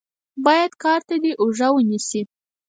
بايد کار ته دې اوږه ونيسې.